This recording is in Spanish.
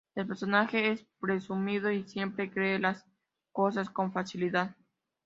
El personaje es presumido, y siempre cree las cosas con facilidad.